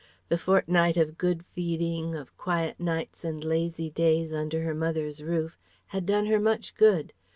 The fortnight of good feeding, of quiet nights and lazy days under her mother's roof had done her much good.